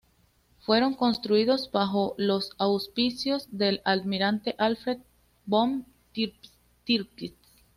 Fueron construidos bajo los auspicios del almirante Alfred von Tirpitz.